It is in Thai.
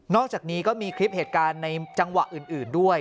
อกจากนี้ก็มีคลิปเหตุการณ์ในจังหวะอื่นด้วย